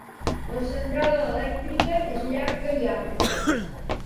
La central elèctrica és llarga i ampla.